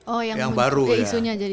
oh yang baru ya